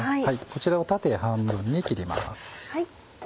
こちらを縦半分に切ります。